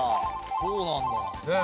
そうなんだ。